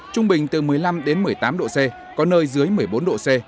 trung bình từ một mươi năm đến một mươi tám độ c có nơi dưới một mươi bốn độ c